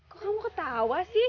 kok kamu ketawa sih